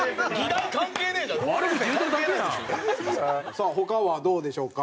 さあ他はどうでしょうか？